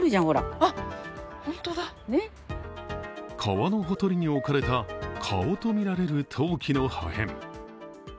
川のほとりに置かれた顔とみられる陶器の破片。